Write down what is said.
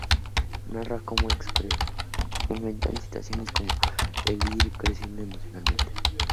Narra cómo experimenta situaciones que le hacen ir creciendo emocionalmente.